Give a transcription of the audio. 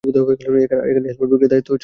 আর এখানে হেলমেট বিক্রির দায়িত্ব তোর।